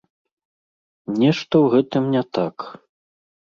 Нешта ў гэтым не так.